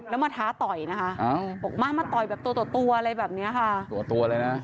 แล้วมาท้าแต่นะคะมาแต่ตัวอะไรแบบนี้ค่ะ